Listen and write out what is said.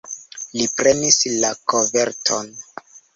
Li prenis la koverton.